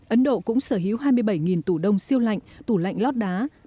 ấn độ cũng sở hữu hai mươi bảy tủ đông siêu lạnh tủ lạnh lót đá